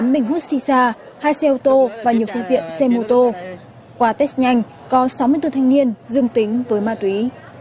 một mươi bình hút xì xa hai xe ô tô và nhiều phương tiện xe mô tô qua test nhanh có sáu mươi bốn thanh niên dương tính với ma túy